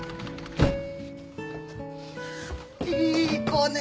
いい子ね。